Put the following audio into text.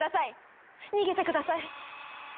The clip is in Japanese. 逃げてください。